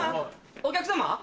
お客様？